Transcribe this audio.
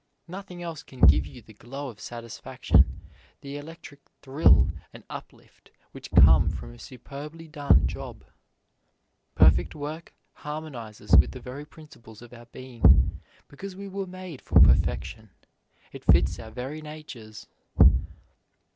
Nothing else can give you the glow of satisfaction, the electric thrill and uplift which come from a superbly done job. Perfect work harmonizes with the very principles of our being, because we were made for perfection. It fits our very natures.